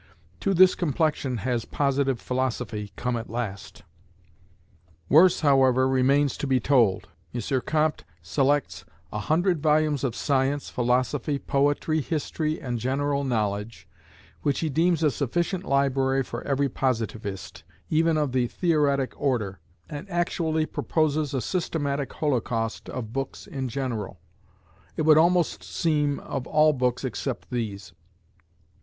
To this complexion has Positive Philosophy come at last! Worse, however, remains to be told. M. Comte selects a hundred volumes of science, philosophy, poetry, history, and general knowledge, which he deems a sufficient library for every positivist, even of the theoretic order, and actually proposes a systematic holocaust of books in general it would almost seem of all books except these.